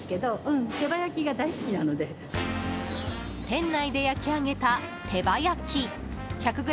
店内で焼き上げた手羽焼き！